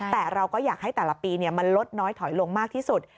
แต่เราก็อยากให้แต่ละปีมันลดน้อยถอยลงมากที่สุด